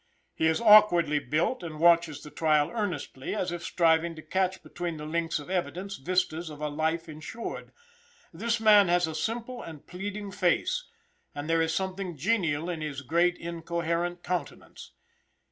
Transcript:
He is awkwardly built, and watches the trial earnestly, as if striving to catch between the links of evidence vistas of a life insured. This man has a simple and pleading face, and there is something genial in his great, incoherent countenance.